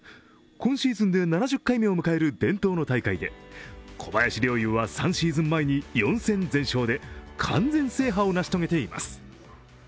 今シーズンで７０回目を迎える伝統の大会で小林陵侑は３シーズン前に４戦全勝で完全制覇を成し遂げています。